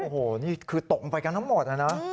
โอ้โหนี่คือตกลงไปกันทั้งหมดนะ